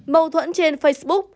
mâu thuẫn trên facebook